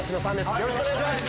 よろしくお願いします